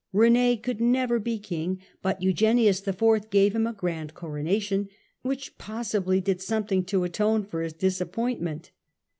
Rene could never be King, but Eugenius IV. gave him a grand coronation, which possibly did something to atone for his disappoint ment.